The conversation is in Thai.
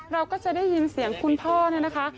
เราก็จะได้ยินเสียงคุณพ่อเนี่ยนะคะ